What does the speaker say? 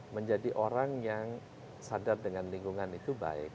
menjadi orang yang sadar dengan lingkungan itu baik